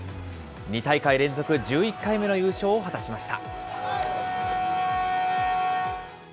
２大会連続１１回目の優勝を果たしました。